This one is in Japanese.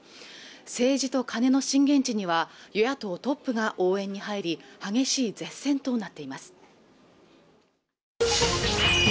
政治とカネの震源地には与野党トップが応援に入り激しい舌戦となっています